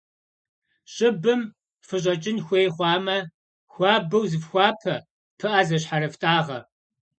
ЩӀыбым фыщӀэкӀын хуей хъуамэ, хуабэу зыфхуапэ, пыӏэ зыщхьэрыфтӏагъэ.